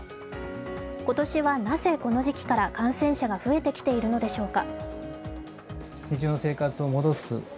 今年はなぜこの時期から感染者が増えてきているのでしょうか。